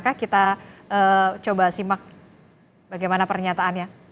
kita coba simak bagaimana pernyataannya